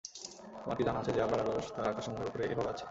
তোমার কি জানা আছে যে, আল্লাহর আরশ তার আকাশসমূহের উপরে এভাবে আছে।